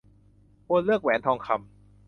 ควรเลือกแหวนทองคำ